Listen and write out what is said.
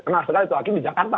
nah sekarang itu hakim di jakarta